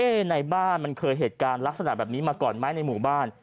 ในบ้านมันเคยเหตุการณ์ลักษณะแบบนี้มาก่อนไหมในหมู่บ้าน